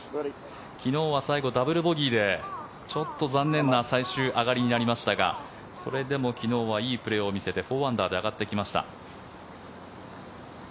昨日は最後、ダブルボールでちょっと残念な最終上がりになりましたがそれでも昨日はいいプレーを見せて４アンダーで上がってきました。